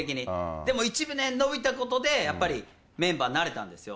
でも１年延びたことで、やっぱりメンバーになれたんですよ。